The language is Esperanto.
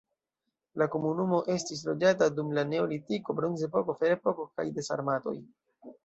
La komunumo estis loĝata dum la neolitiko, bronzepoko, ferepoko kaj de sarmatoj.